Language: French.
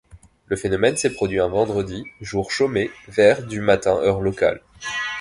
Le phénomène s'est produit un vendredi, jour chômé, vers du matin heure locale.